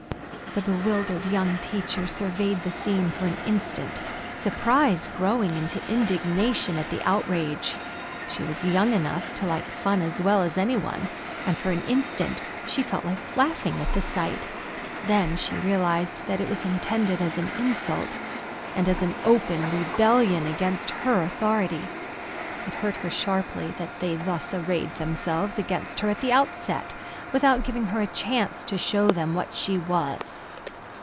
The bewildered young teacher surveyed the scene for an instant, surprise growing into indignation at the outrage. She was young enough to like fun as well as any one, and for an instant she felt like laughing at the sight, then she realized that it was intended as an insult, and as an open rebellion against her authority. It hurt her sharply that they thus arrayed themselves against her at the outset, without giving her a chance to show them what she was.